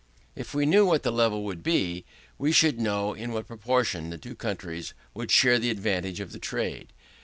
If we knew what this level would be, we should know in what proportion the two countries would share the advantage of the trade.